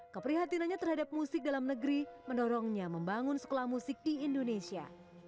keprihatinannya terhadap musik dalam negeri mendorongnya membangun sekolah musik di indonesia